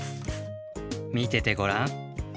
みててごらん。